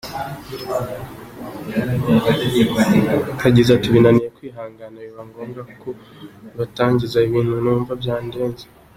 Yagize ati “Binaniye kwihangana biba ngombwa ku mbatangariza ibintu numva byandenze.